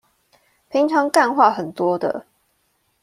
平常幹話很多的